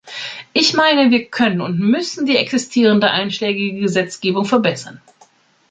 Ich meine, wir können und müssen die existierende einschlägige Gesetzgebung verbessern.